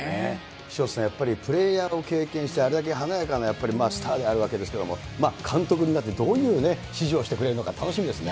潮田さん、やっぱりプレーヤーも経験して、あれだけ華やかなスターであるわけですけれども、監督になってどういうね、指示をしてくれるのか、楽しみですね。